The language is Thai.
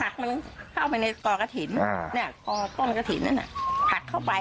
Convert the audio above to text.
เข้าไปในตอนกระถิ่นต้นกระถิ่นนั่นผลักเข้าไป